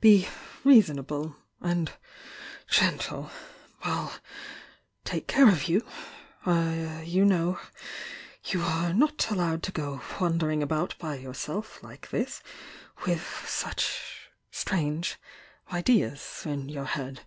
Be reasonable and gentle!— I'll take care of you!— you know you are not allowed to go wandering about by yourself like this, with such strange ideas in your head!